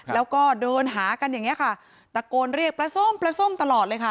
แล้วก็เดินหากันอย่างนี้ค่ะตะโกนเรียกปลาส้มปลาส้มตลอดเลยค่ะ